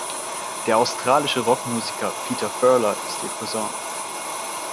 Der australische Rockmusiker Peter Furler ist ihr Cousin.